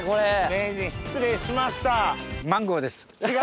名人失礼しました。